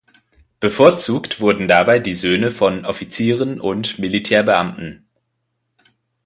Bevorzugt wurden dabei die Söhne von Offizieren und Militärbeamten.